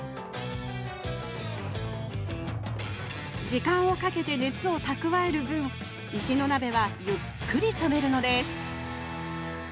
時間をかけて熱を蓄える分石の鍋はゆっくり冷めるのです